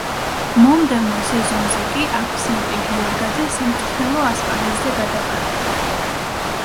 მომდევნო სეზონზე კი აქვსენტი გიორგაძე სამწვრთნელო ასპარეზზე გადაბარგდა.